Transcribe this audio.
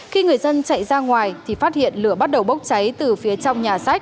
khi người dân chạy ra ngoài thì phát hiện lửa bắt đầu bốc cháy từ phía trong nhà sách